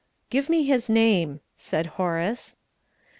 "Give me his name," said Horace.